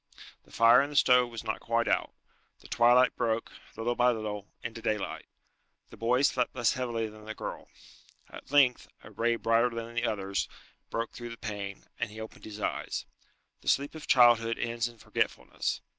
The fire in the stove was not quite out. The twilight broke, little by little, into daylight. The boy slept less heavily than the girl. At length, a ray brighter than the others broke through the pane, and he opened his eyes. The sleep of childhood ends in forgetfulness.